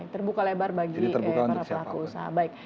terbuka lebar bagi para perusahaan